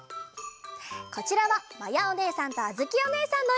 こちらはまやおねえさんとあづきおねえさんのえ！